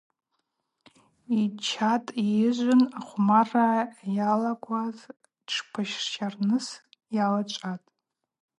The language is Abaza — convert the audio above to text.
Йчатӏ-йыжвын ахъвмарра йалакваз тшпсырщарныс йалачӏватӏ.